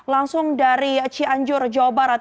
langsung dari cianjur jawa barat